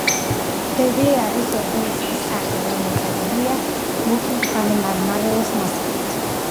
ძეგლი არის ობელისკის სახის, რომელიც აგებულია მუქი მწვანე მარმარილოს მასალით.